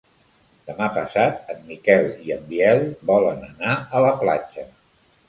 Demà passat en Miquel i en Biel volen anar a la platja.